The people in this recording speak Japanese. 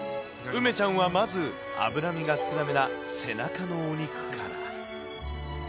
梅ちゃんはまず、脂身が少なめな背中のお肉から。